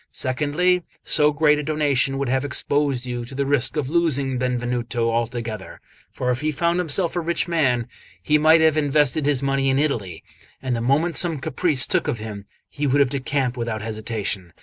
Secondly, so great a donation would have exposed you to the risk of losing Benvenuto altogether; for if he found himself a rich man, he might have invested his money in Italy, and the moment some caprice took of him, he would have decamped without hesitation.